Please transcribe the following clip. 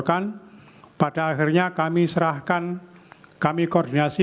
apalagi bapak juta tni